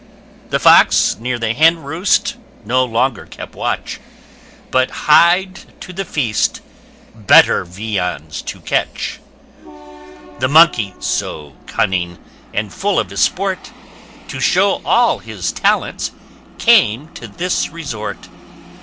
The Fox, near the hen roost, no longer kept watch, But hied to the feast, better viands to catch. The Monkey, so cunning, and full of his sport, [p 8] To show All his Talents came to this resort.